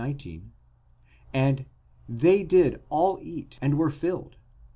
19), and, they did all eat and were filled (v.